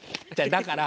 だから。